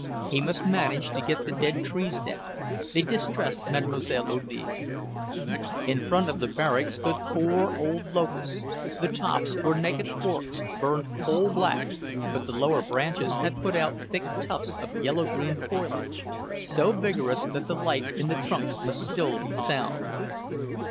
He must manage to get the dead trees down; they distressed Mademoiselle Olive. In front of the barrack stood four old locusts; the tops were naked forks, burned coal black, but the lower branches had put out thick tufts of yellow green foliage, so vigorous that the life in the trunks must still be sound.